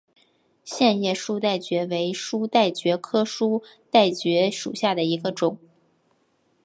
线叶书带蕨为书带蕨科书带蕨属下的一个种。